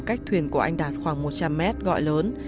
cách thuyền của anh đạt khoảng một trăm linh mét gọi lớn